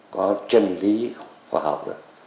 có chân lý khoa học